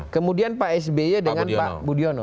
kemudian pak sby dengan pak budiono